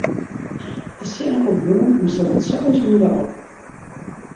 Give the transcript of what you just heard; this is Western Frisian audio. De sinne komt moarn om sawat seis oere op.